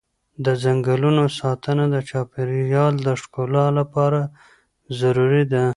د ځنګلونو ساتنه د چاپېر یال د ښکلا لپاره ضروري ده.